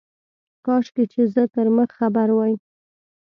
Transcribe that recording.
کاشکي چي زه تر مخ خبر وای.